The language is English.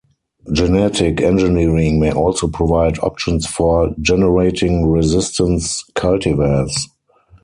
Genetic engineering may also provide options for generating resistance cultivars.